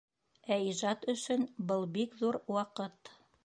Ә ижад өсөн был бик ҙур ваҡыт.